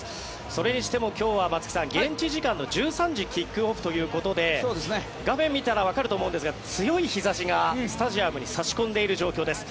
それにしても今日は松木さん現地時間の１３時キックオフということで画面見たらわかると思うんですが強い日差しがスタジアムに差し込んでいる状況です。